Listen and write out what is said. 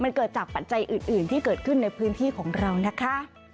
มันเกิดจากปัจจัยอื่นที่เกิดขึ้นในพื้นที่ของเรานะคะ